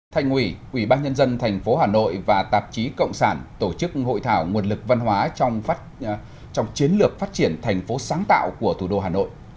thành ủy ủy ban nhân dân thành phố hà nội và tạp chí cộng sản tổ chức hội thảo nguồn lực văn hóa trong chiến lược phát triển thành phố sáng tạo của thủ đô hà nội